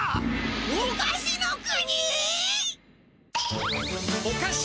おかしの国！？